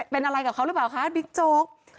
เป็นอะไรกับเขาหรือเปล่าคะบิ๊กโจ๊ก